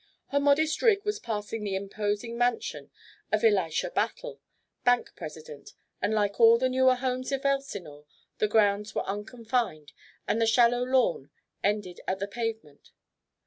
Her modest rig was passing the imposing mansion of Elisha Battle, bank president, and like all the newer homes of Elsinore the grounds were unconfined and the shallow lawn ended at the pavement.